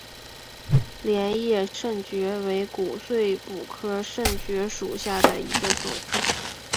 镰叶肾蕨为骨碎补科肾蕨属下的一个种。